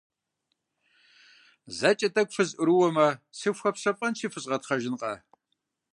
ЗэкӀэ тӀэкӀу фызэӀурыумэ, сыфхуэпщэфӀэнщи, фызгъэтхъэжынкъэ.